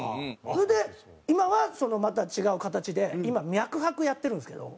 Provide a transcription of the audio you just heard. それで今はまた違う形で今脈拍やってるんですけど。